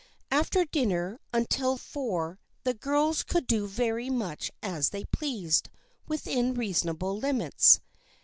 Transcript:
After dinner until four the girls could do very much as they pleased, within reasonable limits.